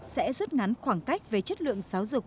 sẽ rút ngắn khoảng cách về chất lượng giáo dục